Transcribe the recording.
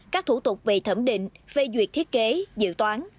các thủ tục về thẩm định phê duyệt thiết kế dự toán